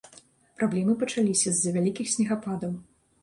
Праблемы пачаліся з-за вялікіх снегападаў.